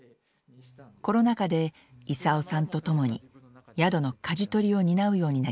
コロナ禍で功さんと共に宿のかじ取りを担うようになりました。